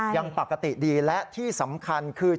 ยังปกติดีและที่สำคัญคือ